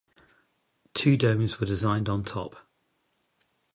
Two domes were designed on top.